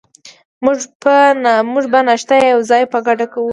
موږ به ناشته یوځای په ګډه کوو.